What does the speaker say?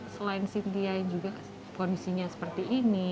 selain cynthia yang juga kondisinya seperti ini